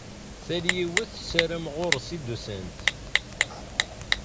Tal yiwet tessaram ɣur-s i d-usant.